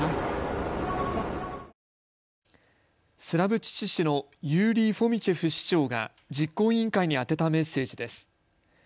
スラブチチ市のユーリー・フォミチェフ市長が実行委員会に宛てたメッセージです。